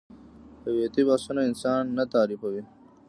هویتي بحثونه انسان نه تعریفوي.